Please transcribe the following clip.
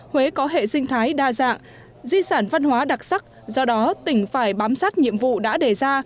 huế có hệ sinh thái đa dạng di sản văn hóa đặc sắc do đó tỉnh phải bám sát nhiệm vụ đã đề ra